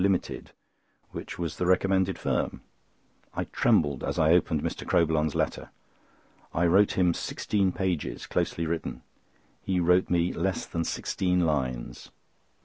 Limited," which was the recommended firm. I trembled as I opened Mr. Crowbillon's letter. I wrote him sixteen pages, closely written; he wrote me less than sixteen lines.